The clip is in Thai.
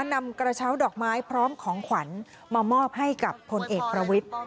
นำกระเช้าดอกไม้พร้อมของขวัญมามอบให้กับพลเอกประวิทธิ์